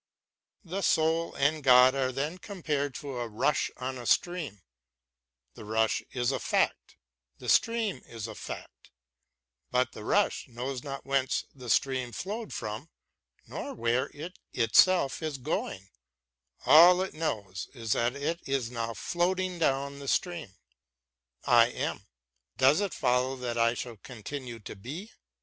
The soul and God are then compared to a rush on a stream — the rush is a fact, the stream is a fact ; but the rush knows not whence the stream flowed from nor where it itself is going, all it knows is that it is now floating down the stream. / am. Does it follow that I shall continue to be